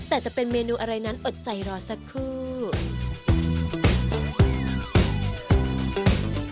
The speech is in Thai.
แต่จะเป็นเมนูอะไรนั้นอดใจรอสักครู่